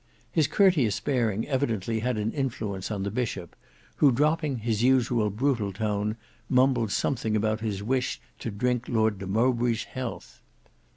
His courteous bearing evidently had an influence on the Bishop, who dropping his usual brutal tone mumbled something about his wish to drink Lord de Mowbray's health.